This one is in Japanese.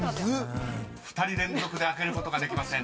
［２人連続で開けることができません］